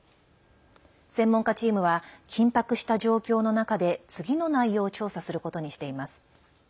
専門家チームは緊迫した状況の中で次の内容を調査することにしています。